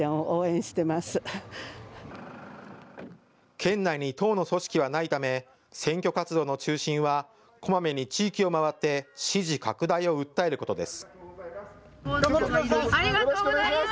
県内に党の組織はないため、選挙活動の中心は、こまめに地域を回って支持拡大を訴えることです。